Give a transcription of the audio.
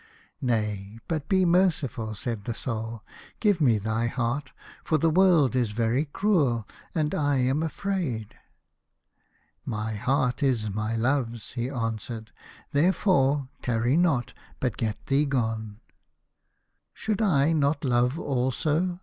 "Nay, but be merciful," said his Soul: "give me thy heart, for the world is very cruel, and I am afraid." " My heart is my love's," he answered, " therefore tarry not, but get thee gone." "Should I not love also?"